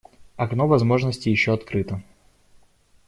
Окно возможности еще открыто.